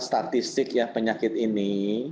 statistik ya penyakit ini